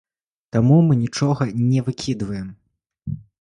Таму мы нічога не выкідваем.